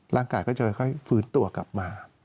ร่างกายก็จะค่อยฟื้นตัวกลับมา